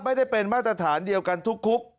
ไม่ได้เป็นมาตรฐานเดียวกันทุกคุก